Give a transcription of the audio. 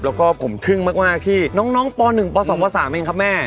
แล้วก็ผมทึ่งมากที่น้องป๑ป๒ป๓เองครับแม่